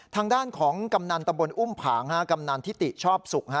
ทางด้านของกำนันตำบลอุ้มผางกำนันทิติชอบศุกร์